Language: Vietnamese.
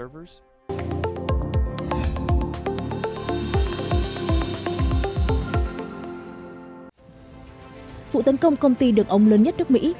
vụ tấn công công ty đường ống lớn nhất nước mỹ